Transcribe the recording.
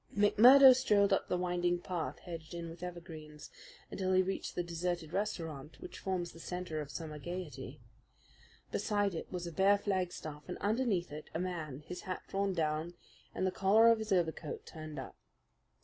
McMurdo strolled up the winding path hedged in with evergreens until he reached the deserted restaurant which forms the centre of summer gaiety. Beside it was a bare flagstaff, and underneath it a man, his hat drawn down and the collar of his overcoat turned up.